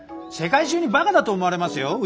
世界中にバカだと思われますよ？